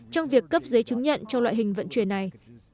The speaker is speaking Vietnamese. trong việc cấp giấy chứng nhận cho loại hình vận chuyển này